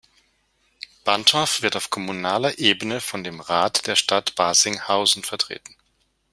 Bantorf wird auf kommunaler Ebene von dem Rat der Stadt Barsinghausen vertreten.